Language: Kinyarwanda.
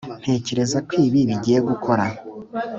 ntekereza ko ibi bigiye gukora.